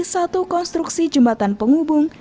satu konstruksi jembatan penghubung